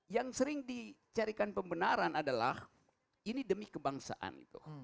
yang sering dicarikan pembenaran adalah ini demi kebangsaan